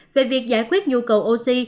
về việc giải quyết nhu cầu oxy